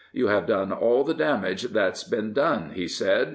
" You have done all the damage that's been done," he said.